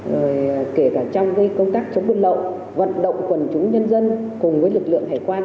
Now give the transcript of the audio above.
rồi kể cả trong công tác chống buôn lậu vận động quần chúng nhân dân cùng với lực lượng hải quan